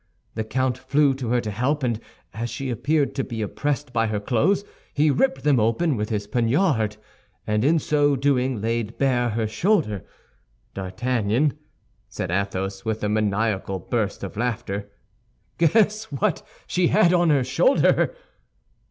The count flew to her to help, and as she appeared to be oppressed by her clothes, he ripped them open with his poniard, and in so doing laid bare her shoulder. D'Artagnan," said Athos, with a maniacal burst of laughter, "guess what she had on her shoulder."